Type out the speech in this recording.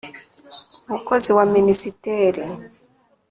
umukozi wa minisiteri